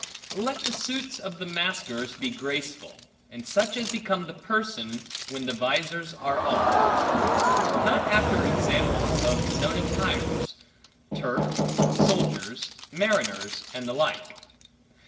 Let the suits of the masquers be graceful, and such as become the person, when the vizors are off; not after examples of known attires; Turke, soldiers, mariners', and the like.